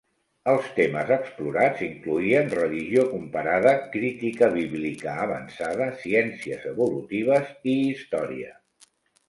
Els temes explorats incloïen religió comparada, crítica bíblica avançada, ciències evolutives i història.